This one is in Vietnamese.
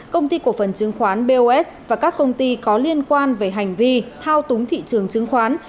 công ty cổ phần chứng khoán bos và các công ty có liên quan về hành vi thao túng thị trường chứng khoán